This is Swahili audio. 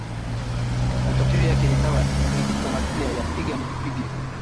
Matokeo yake ikawa ni diplomasia ya piga nikupige